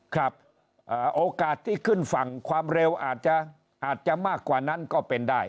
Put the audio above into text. ครับโอกาสที่ขึ้นฝั่งความเร็วอาจจะมากกว่านั้นก็เป็นได้